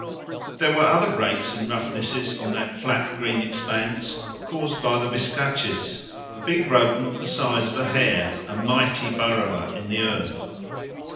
There were other breaks and roughnesses on that flat green expanse caused by the vizcachas, a big rodent the size of a hare, a mighty burrower in the earth.